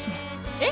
え！？